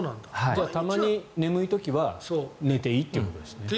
たまに眠い時は寝ていいということですね。